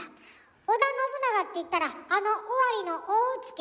織田信長っていったらあの尾張の大うつけ？